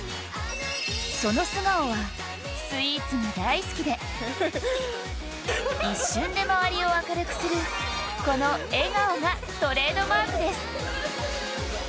その素顔は、スイーツが大好きで一瞬で周りを明るくするこの笑顔がトレードマークです。